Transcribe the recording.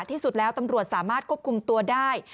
ที่สุดแล้วตำรวจสามารถควบคุมตัวได้